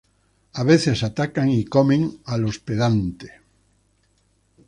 A veces atacan y comen al hospedante.